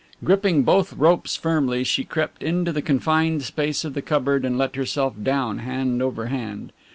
Gripping both ropes firmly she crept into the confined space of the cupboard and let herself down hand over hand.